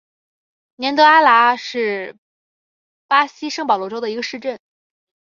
年德阿拉是巴西圣保罗州的一个市镇。